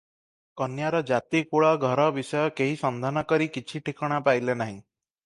କନ୍ୟାର ଜାତି କୁଳ ଘର ବିଷୟ କେହି ସନ୍ଧାନ କରି କିଛି ଠିକଣା ପାଇଲେ ନାହିଁ ।